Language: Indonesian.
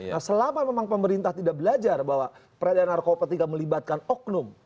nah selama memang pemerintah tidak belajar bahwa peradaan narkoba tidak melibatkan oknum